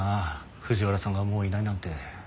藤原さんがもういないなんて。